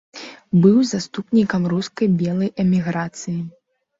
Быў заступнікам рускай белай эміграцыі.